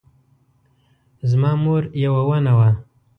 زما مور یوه ونه وه